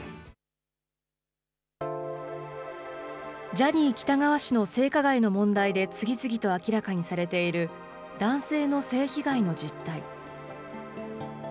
ジャニー喜多川氏の性加害の問題で次々と明らかにされている男性の性被害の実態。